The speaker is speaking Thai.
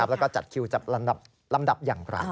แล้วก็จัดคิวจัดลำดับอย่างไร